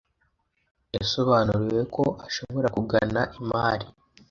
yasobanuriwe ko ashobora kugana imari